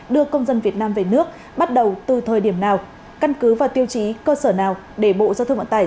đưa công dân việt nam về nước bắt đầu từ thời điểm nào căn cứ và tiêu chí cơ sở nào để bộ giao thông vận tải